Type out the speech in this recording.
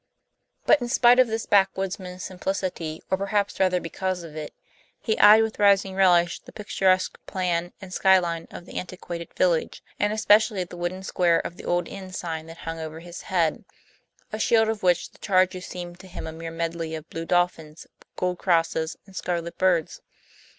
But in spite of this backwoodsman's simplicity, or perhaps rather because of it, he eyed with rising relish the picturesque plan and sky line of the antiquated village, and especially the wooden square of the old inn sign that hung over his head; a shield, of which the charges seemed to him a mere medley of blue dolphins, gold crosses, and scarlet birds.